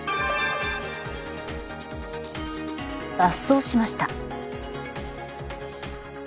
脱走しました。